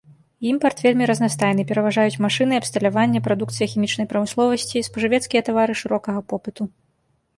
Імпарт вельмі разнастайны, пераважаюць машыны і абсталяванне, прадукцыя хімічнай прамысловасці, спажывецкія тавары шырокага попыту.